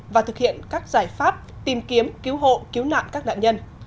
và thực hiện các giải pháp tìm kiếm cứu hộ cứu nạn các nạn nhân